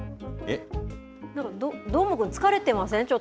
どーもくん、疲れてません？